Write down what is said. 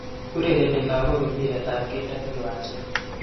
Urereni lagook impiretab keldo eng unjeet.